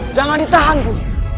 jangan ditahan guru